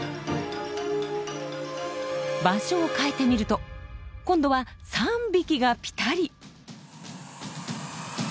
場所を変えてみると今度は３匹がピタリ！